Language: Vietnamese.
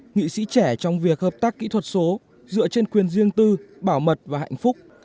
nghị sĩ trẻ trong việc hợp tác kỹ thuật số dựa trên quyền riêng tư bảo mật và hạnh phúc